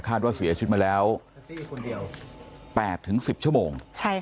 ว่าเสียชีวิตมาแล้ว๘๑๐ชั่วโมง